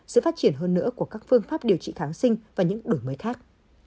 sự phát triển hơn nữa của các phương pháp điều trị kháng sinh và những đổi mới khác